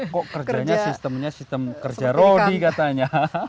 kok kerjanya sistemnya sistem kerja rodi katanya